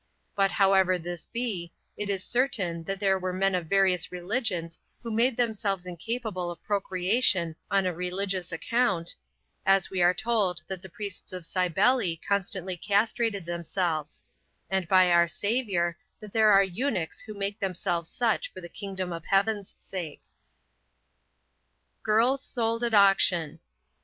But however this be, it is certain, that there were men of various religions who made themselves incapable of procreation on a religious account, as we are told that the priests of Cybele constantly castrated themselves; and by our Saviour, that there are eunuchs who make themselves such for the kingdom of heaven's sake. GIRLS SOLD AT AUCTION.